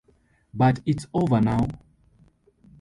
But it's over now.